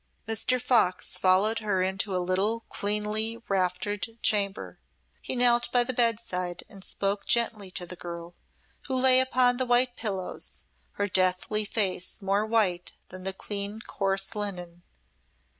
Mr. Fox followed her into a little cleanly, raftered chamber. He knelt by the bedside and spoke gently to the girl who lay upon the white pillows, her deathly face more white than the clean, coarse linen.